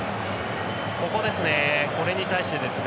これに対してですね。